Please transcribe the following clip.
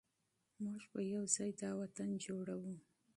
موږ به یو ځای دا وطن جوړوو.